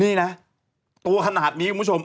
นี่นะตัวขนาดนี้คุณผู้ชม